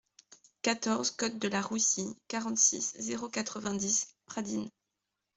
quatorze côte de la Roussille, quarante-six, zéro quatre-vingt-dix, Pradines